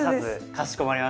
かしこまりました！